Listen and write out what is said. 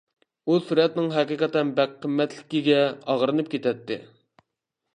ئۇ سۈرەتنىڭ ھەقىقەتەن بەك قىممەتلىكىگە ئاغرىنىپ كېتەتتى.